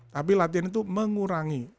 tapi latihan itu mengurangi